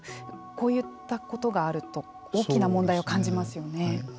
こういったことがあると大きな問題を感じますよね。